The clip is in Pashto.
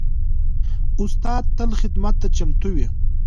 استاد تل خدمت ته چمتو وي.